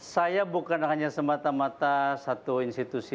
saya bukan hanya semata mata satu institusi